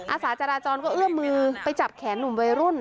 อาสาจราจรก็เอื้อมมือไปจับแขนหนุ่มวัยรุ่น